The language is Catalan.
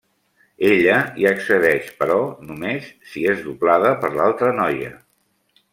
Ella hi accedeix però només si és doblada per l'altra noia.